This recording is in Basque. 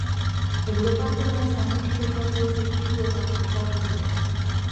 Europako nahiz Ameriketako zirkuituetan jokatu du.